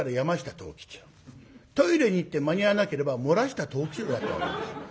トイレに行って間に合わなければ漏らした藤吉郎だったわけです。